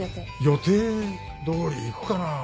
予定どおりいくかなあ？